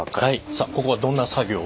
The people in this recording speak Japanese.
さあここはどんな作業を？